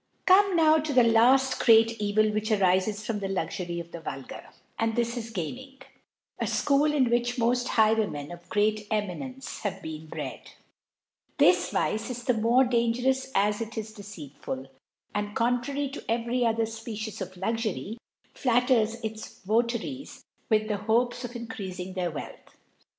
ICp(n^ ,naw to the laft great Evil wh arifcs from the Luxury of the Vulgi and this is Gaming : A School in wh moit Highwaymen of great Eminence h^ been twr^. This Vice is the more d gerouS) as it is deceitful, and, contrary xvcry other Species of Luxury, flatters Votaries with the Hopes of increafmg th Wealth .